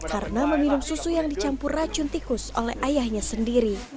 karena meminum susu yang dicampur racun tikus oleh ayahnya sendiri